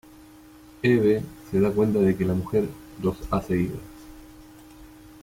Eve se da cuenta de que la Mujer los ha seguido.